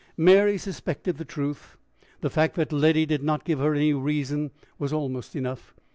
Mary suspected the truth. The fact that Letty did not give her any reason was almost enough.